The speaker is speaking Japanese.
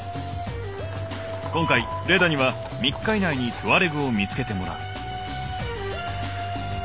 今回レダには３日以内にトゥアレグを見つけてもらう。